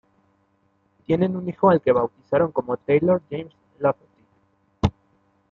Tienen un hijo al que bautizaron como Taylor James Lafferty.